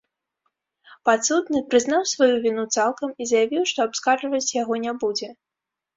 Падсудны прызнаў сваю віну цалкам і заявіў, што абскарджваць яго не будзе.